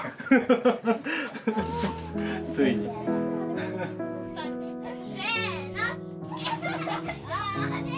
ついに。せの！